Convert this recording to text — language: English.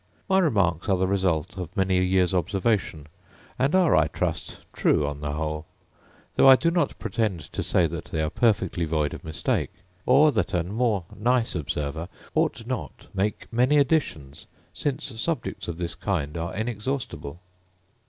My remarks are the result of many years' observation; and are, I trust, true on the whole: though I do not pretend to say that they are perfectly void of mistake, or that a more nice observer ought not make many additions, since subjects of this kind are inexhaustible.